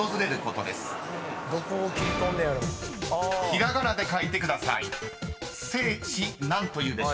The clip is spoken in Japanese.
［ひらがなで書いてください］